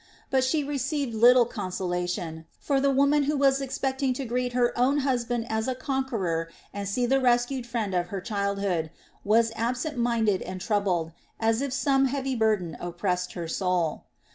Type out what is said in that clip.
But she received little consolation, for the woman who was expecting to greet her own husband as a conqueror and see the rescued friend of her childhood, was absent minded and troubled, as if some heavy burden oppressed her soul.